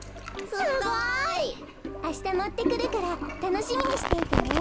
すごい！あしたもってくるからたのしみにしていてね。